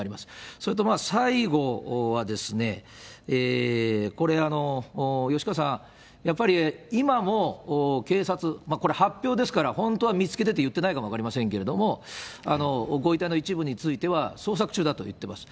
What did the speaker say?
それと最後はですね、これ、吉川さん、やっぱり、今も警察、これ発表ですから、本当は見つけてて言ってないかもしれませんけれども、ご遺体の一部については捜索中だと言っています。